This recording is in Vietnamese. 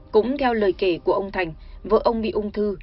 cũng theo lời kể của ông thành vợ ông bị ung thư